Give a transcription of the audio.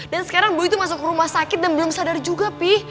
dan sekarang belur itu masuk ke rumah sakit dan belum sadar juga pi